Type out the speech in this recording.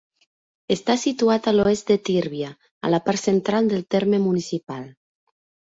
Està situat a l'oest de Tírvia, a la part central del terme municipal.